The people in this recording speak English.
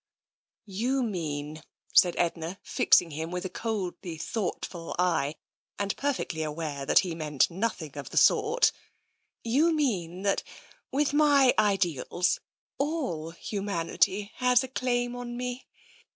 "" You mean," said Edna, fixing him with a coldly thoughtful eye, and perfectly aware that he meant nothing of the sort. You mean that, with my ideals, all humanity has a claim on me.